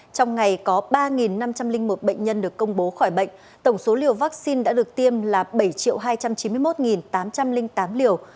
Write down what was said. trong ngày có ba năm trăm linh một bệnh nhân được công bố khỏi bệnh tổng số liều vaccine đã được tiêm là bảy hai trăm chín mươi một tám trăm linh tám liều